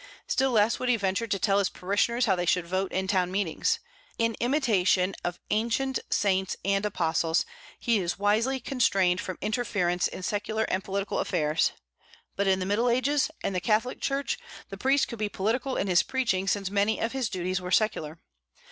Still less would he venture to tell his parishioners how they should vote in town meetings. In imitation of ancient saints and apostles, he is wisely constrained from interference in secular and political affairs. But in the Middle Ages, and the Catholic Church, the priest could be political in his preaching, since many of his duties were secular.